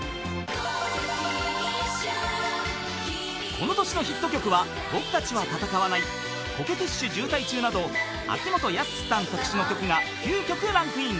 ［この年のヒット曲は『僕たちは戦わない』『コケティッシュ渋滞中』など秋元康さん作詞の曲が９曲ランクイン。